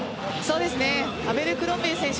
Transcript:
アベルクロンビエ選手